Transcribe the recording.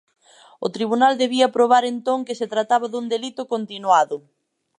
O tribunal debía probar entón que se trataba dun delito continuado.